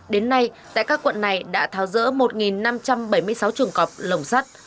đến nay tại các quận này đã tháo rỡ một năm trăm bảy mươi sáu chuồng cọp lồng sắt